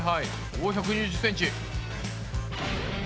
お１２０ｃｍ。